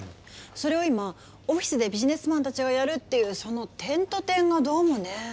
それを今オフィスでビジネスマンたちがやるっていうその点と点がどうもねえ。